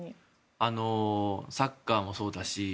サッカーもそうだし